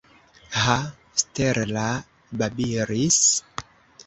Ha, Stella babilis?